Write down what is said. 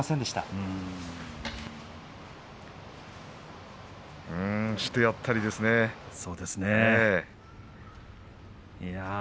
豊昇龍してやったりですね。